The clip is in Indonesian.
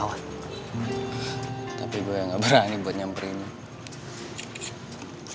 nyokapnya bella itu nggak bisa nyamperin gue ngerasa kayaknya nyokapnya bella itu nggak berani buat nyamperin dia